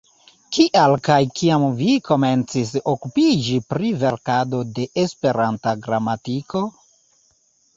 Kial kaj kiam vi komencis okupiĝi pri verkado de Esperanta gramatiko?